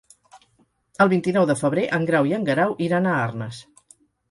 El vint-i-nou de febrer en Grau i en Guerau iran a Arnes.